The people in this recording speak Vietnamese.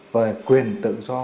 về quyền tự do